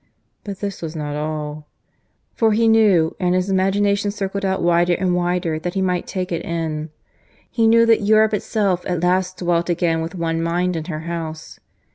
But this was not all. For he knew and his imagination circled out wider and wider that he might take it in he knew that Europe itself at last dwelt again with one mind in her house.